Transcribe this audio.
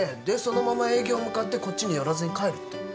でそのまま営業向かってこっちに寄らずに帰るって。